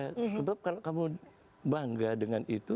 terus kebetulan kalo kamu bangga dengan itu